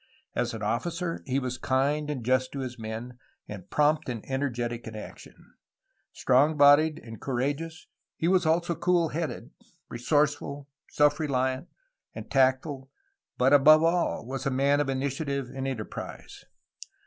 As an officer he was kind and just to his men and prompt and energetic in action. Strong bodied and courageous, he was also cool headed, re sourceful, self reliant, and tactful, but above all was a man 296 A HISTORY OF CALIFORNU of initiative and enterprise.